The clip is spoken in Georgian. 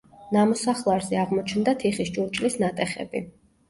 ნამოსახლარზე აღმოჩნდა თიხის ჭურჭლის ნატეხები.